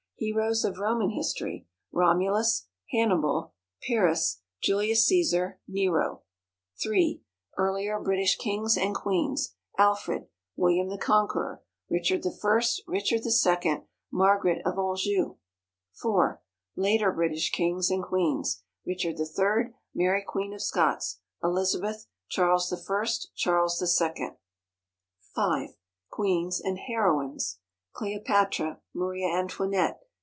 Heroes of Roman History. ROMULUS. HANNIBAL. PYRRHUS. JULIUS CÆSAR. NERO. III. Earlier British Kings and Queens. ALFRED. WILLIAM THE CONQUEROR. RICHARD I. RICHARD II. MARGARET OF ANJOU. IV. Later British Kings and Queens. RICHARD III. MARY QUEEN OF SCOTS. ELIZABETH. CHARLES I. CHARLES II. V. Queens and Heroines. CLEOPATRA. MARIA ANTOINETTE.